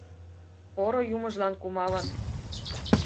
Поро юмыжлан кумалын